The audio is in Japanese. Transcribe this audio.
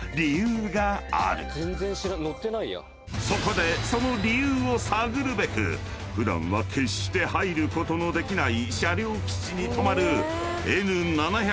［そこでその理由を探るべく普段は決して入ることのできない］